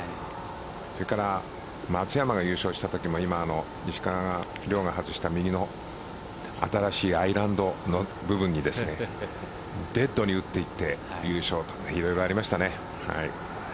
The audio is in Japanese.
それから、松山が優勝した時も石川遼が外した右の新しいアイランドの部分にデッドに打っていって優勝といろいろありましたね。